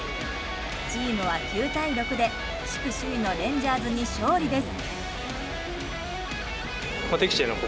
チームは９対６で、地区首位のレンジャーズに勝利です。